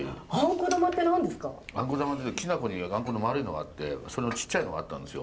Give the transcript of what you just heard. あんこ玉ってきな粉にあんこの丸いのがあってそれのちっちゃいのがあったんですよ。